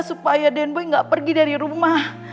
supaya dan boy gak pergi dari rumah